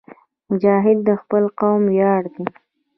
مجاهد د خپل قوم ویاړ دی.